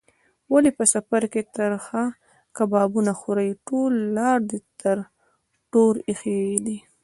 ولې په سفر کې ترخه کبابونه خورې؟ ټوله لار دې ټر ټور ایښی دی.